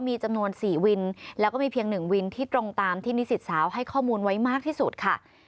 มีจำนวน๔วินแล้วก็มีเพียง๑วินที่ตรงตามที่นิสิตสาวให้ข้อมูลไว้มากที่สุดค่ะ